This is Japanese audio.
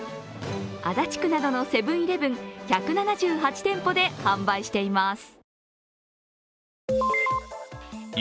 足立区などのセブン−イレブン１７８店舗で販売しています。